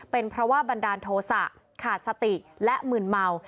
เป็นเพราะว่าบันดาลโทษะขาดสติและหมื่นเมา